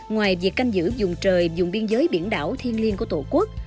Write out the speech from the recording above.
ngoài việc canh giữ dùng trời dùng biên giới biển đảo thiên liêng của tổ quốc